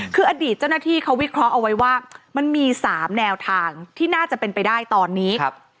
คืออดีตเจ้าหน้าที่เขาวิเคราะห์เอาไว้ว่ามันมี๓แนวทางที่น่าจะเป็นไปได้ตอนนี้